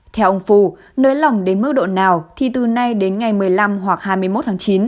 theo ông phù nới lỏng đến mức độ nào thì từ nay đến ngày một mươi năm hoặc hai mươi một tháng chín